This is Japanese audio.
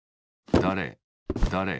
だれだれ